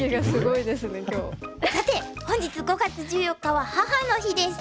さて本日５月１４日は母の日です。